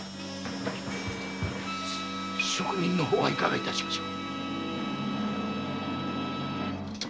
職人の方はいかが致しましょう？